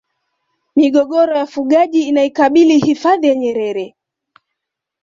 migogoro ya wafugaji inaikabili hifadhi ya nyerere